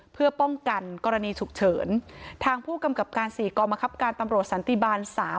เพื่อป้องกันกรณีฉุกเฉินทางผู้กำกับการสี่กรมคับการตำรวจสันติบาลสาม